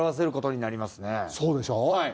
そうでしょう。